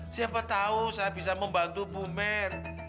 siapa tahu saya bisa membantu bu mary